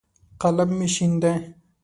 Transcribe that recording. قلم مې شین دی.